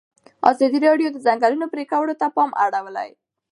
ازادي راډیو د د ځنګلونو پرېکول ته پام اړولی.